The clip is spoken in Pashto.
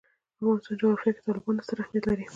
د افغانستان جغرافیه کې تالابونه ستر اهمیت لري.